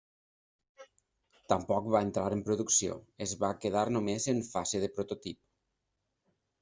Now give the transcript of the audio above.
Tampoc va entrar en producció, es va quedar només en fase de prototip.